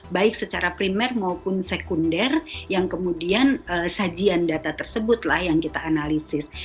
baik secara primer maupun sekunder yang kemudian sajian data tersebutlah yang kita analisis